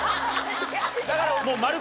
だからもう。